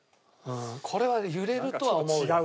これは揺れるとは思うよ。